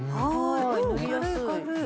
塗りやすい。